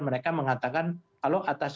mereka mengatakan kalau atas